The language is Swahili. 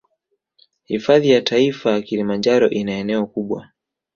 Hifadhi ya taifa kilimanjaro ina eneo kubwa